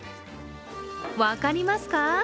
分かりますか？